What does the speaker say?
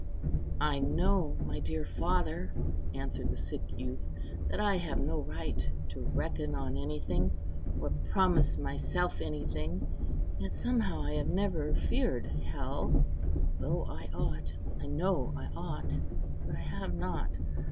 "I know, my dear father," answered the sick youth, "that I have no right to reckon on anything, or promise myself anything; yet somehow I have never feared hell—though I ought, I know I ought; but I have not.